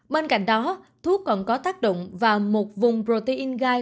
bên cạnh đó thuốc còn có tác động vào một vùng protein gai